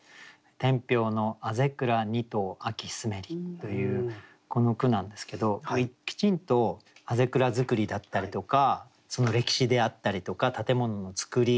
「天平の校倉二棟秋澄めり」というこの句なんですけどきちんと校倉造りだったりとかその歴史であったりとか建物の造り